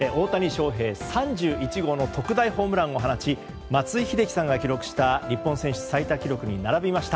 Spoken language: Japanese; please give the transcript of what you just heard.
大谷翔平、３１号の特大ホームランを記録し松井秀喜さんの日本選手最多記録に並びました。